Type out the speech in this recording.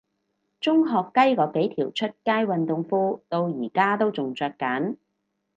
中學雞嗰幾條出街運動褲到而家都仲着緊